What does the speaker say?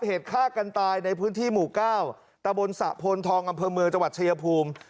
เหตุฆ่ากันตายในพื้นที่หมู่๙ตะบนสะโพนทองอำเภอเมืองจังหวัดชายภูมิ